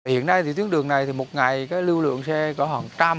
hiện nay thì tuyến đường này thì một ngày cái lưu lượng xe có hàng trăm